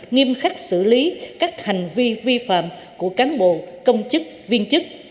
nghiêm khắc xử lý các hành vi vi phạm của cán bộ công chức viên chức